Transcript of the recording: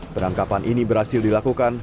penangkapan ini berhasil dilakukan